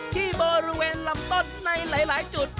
ที่บริเวณลำต้นในหลายจุด